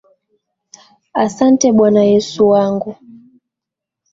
Asante Bwana Yesu wangu.